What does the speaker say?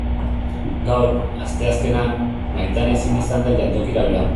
Gaur, asteazkena, Maitane ezin izan da jantokira joan.